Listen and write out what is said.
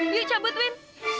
yuk cabut win